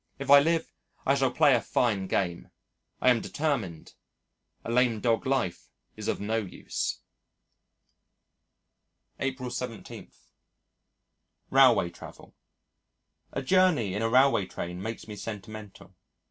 If I live, I shall play a fine game! I am determined. A lame dog life is of no use. April 17. Railway Travel A journey in a railway train makes me sentimental.